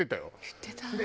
言ってた。